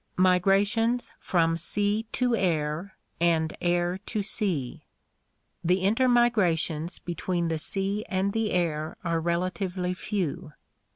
Migrations from Sea to Air and Air to Sea. — The intermigra tions between the sea and the air are relatively few.